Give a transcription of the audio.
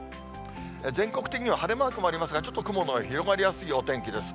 全国的には晴れマークもありますが、ちょっと雲の広がりやすいお天気です。